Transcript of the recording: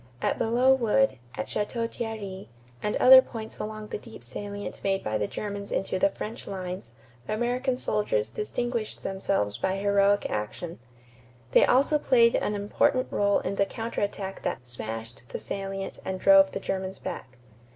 At Belleau Wood, at Château Thierry, and other points along the deep salient made by the Germans into the French lines, American soldiers distinguished themselves by heroic action. They also played an important rôle in the counter attack that "smashed" the salient and drove the Germans back.